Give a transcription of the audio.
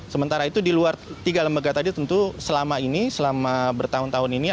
sementara itu di luar tiga lembaga tadi tentu selama ini selama bertahun tahun ini